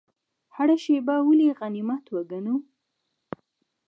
هره شیبه ولې غنیمت وګڼو؟